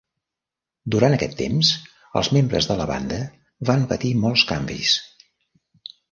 Durant aquest temps, els membres de la banda van patir molts canvis.